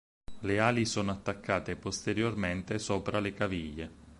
Le ali sono attaccate posteriormente sopra le caviglie.